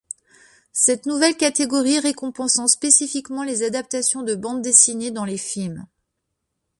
Cette nouvelle catégorie récompensant spécifiquement les adaptations de bandes dessinées dans les films.